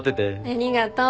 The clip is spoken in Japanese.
ありがとう。